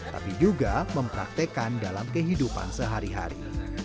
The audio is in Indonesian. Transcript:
tapi juga mempraktekan dalam kehidupan sehari hari